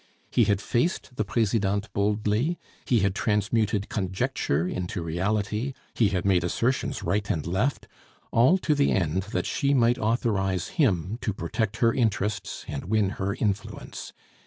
He had faced the Presidente boldly; he had transmuted conjecture into reality; he had made assertions right and left, all to the end that she might authorize him to protect her interests and win her influence.